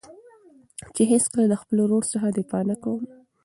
چې هېڅکله له خپل ورور څخه دفاع نه کوم.